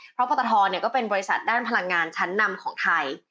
เพราะปตทก็เป็นบริษัทด้านพลังงานชั้นนำของไทย